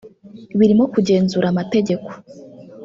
birimo kugenzura amategeko